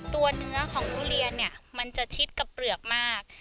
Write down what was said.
ตัวเนื้อของทุเรียนเนี่ยมันจะชิดกับเปลือกมาก